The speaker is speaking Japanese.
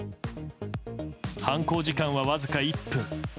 犯行時間はわずか１分。